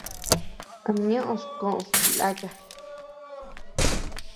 Am ñoʼod kod ku laka.